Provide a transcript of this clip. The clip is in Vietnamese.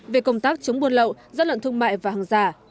về công tác chống buôn lậu gian lận thương mại và hàng giả